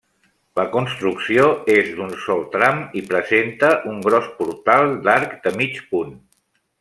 La construcció és d'un sol tram i presenta un gros portal d'arc de mig punt.